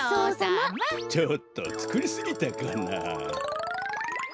ちょっとつくりすぎたかな。